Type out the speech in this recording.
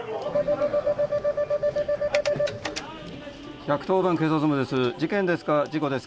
☎１１０番警察本部です。